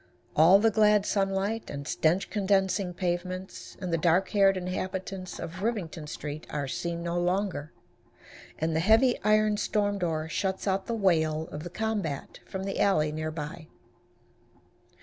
All the glad sunlight, and stench condensing pavements, and the dark haired inhabitants of Rivington street, are seen no longer, and the heavy iron storm door shuts out the wail of the combat from the alley near by.